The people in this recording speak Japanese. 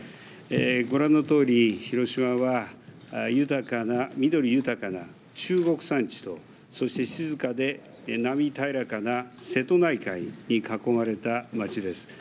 ご覧のとおり広島は緑豊かな中国山地と静かで波たゆらかな瀬戸内海に囲まれた街です。